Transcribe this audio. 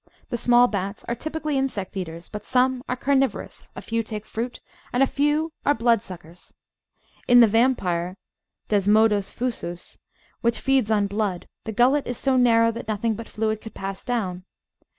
The small bats are typically insect eaters, but some are carnivorous, a few take fruit, and a few are blood suckers. In the Vampire {Des modus fusus) , which feeds on blood, the gullet is so narrow that nothing but fluid could pass down.